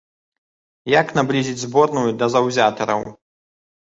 Як наблізіць зборную да заўзятараў.